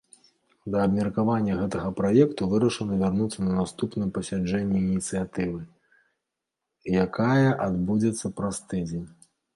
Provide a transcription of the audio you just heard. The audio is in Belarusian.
Да абмеркавання гэтага праекту вырашана вярнуцца на наступным пасяджэнні ініцыятывы, якае адбудзецца праз тыдзень.